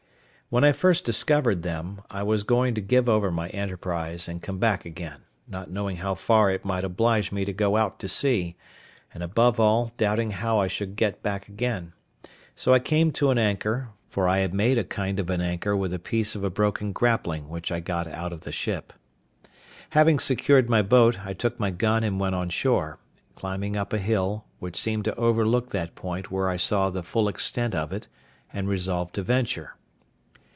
When I first discovered them, I was going to give over my enterprise, and come back again, not knowing how far it might oblige me to go out to sea; and above all, doubting how I should get back again: so I came to an anchor; for I had made a kind of an anchor with a piece of a broken grappling which I got out of the ship. Having secured my boat, I took my gun and went on shore, climbing up a hill, which seemed to overlook that point where I saw the full extent of it, and resolved to venture.